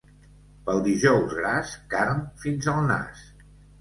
Pel Dijous Gras, carn fins al nas.